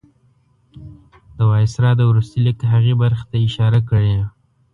د وایسرا د وروستي لیک هغې برخې ته اشاره کړې.